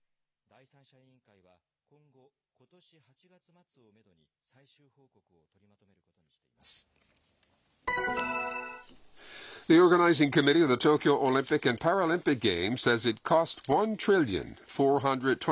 第三者委員会は、今後、ことし８月末をメドに最終報告を取りまとめることにしています。